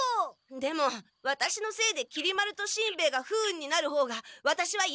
でもワタシのせいできり丸としんべヱが不運になる方がワタシはいやだから！